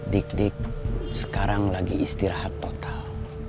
dik dik sekarang lagi istirahat total